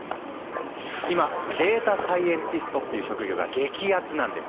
今データサイエンティストっていう職業が激アツなんです！